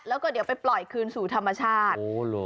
แล้วก็เดี๋ยวไปปล่อยคืนสู่ธรรมชาติ